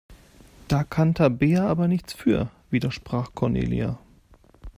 Da kann Tabea aber nichts für, widersprach Cornelia.